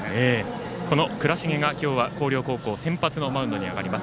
倉重が今日は広陵高校先発のマウンドに上がります。